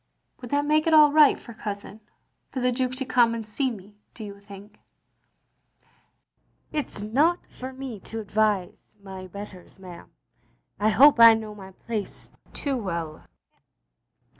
"Would that make it all right for Cousin — for the Duke to come and see me, do you think? "" It 's not for me to advise my betters, ma'am. I hope I know my place too well.